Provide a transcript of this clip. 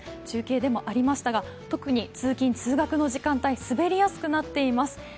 中継でもありましたが、特に通勤通学の時間帯、滑りやすくなっています。